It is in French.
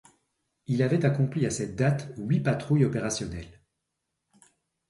Il avait accompli à cette date huit patrouilles opérationnelles.